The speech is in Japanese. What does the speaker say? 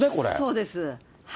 そうです。